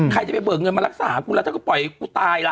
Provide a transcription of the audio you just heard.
ใครจะไปเบิกเงินมารักษากูแล้วถ้าก็ปล่อยกูตายล่ะ